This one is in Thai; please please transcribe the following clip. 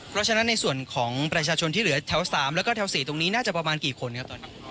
เพราะฉะนั้นในส่วนของประชาชนที่เหลือแถว๓แล้วก็แถว๔ตรงนี้น่าจะประมาณกี่คนครับตอนนี้